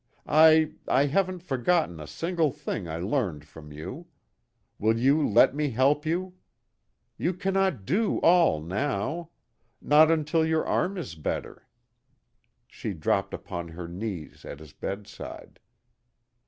I I haven't forgotten a single thing I learned from you. Will you let me help you? You cannot do all now. Not until your arm is better." She dropped upon her knees at his bedside.